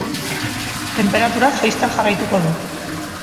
Tenperaturak jaisten jarraituko du.